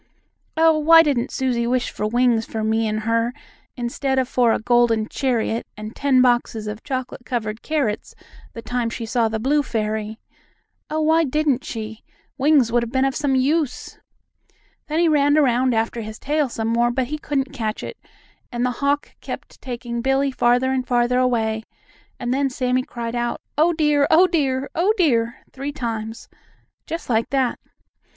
Oh, why didn't Susie wish for wings for me and her instead of for a golden chariot and ten boxes of chocolate covered carrots the time she saw the blue fairy? Oh, why didn't she? Wings would have been of some use!" Then he ran around after his tail some more, but he couldn't catch it, and the hawk kept taking Billie farther and farther away, and then Sammie cried out: "Oh, dear! Oh, dear! Oh, dear!" three times, just like that.